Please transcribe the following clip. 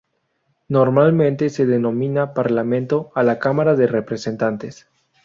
Normalmente, se denomina "Parlamento" a la Cámara de Representantes.